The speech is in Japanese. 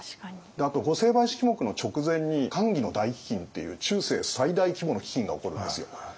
あと御成敗式目の直前に寛喜の大飢饉っていう中世最大規模の飢饉が起こるんですよ。